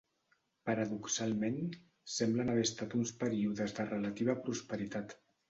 Paradoxalment, semblen haver estat uns períodes de relativa prosperitat.